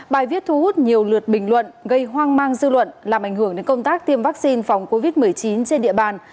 bài viết thu hút nhiều lượt bình luận gây hoang mang dư luận làm ảnh hưởng đến công tác tiêm vaccine phòng covid một mươi chín trên địa bàn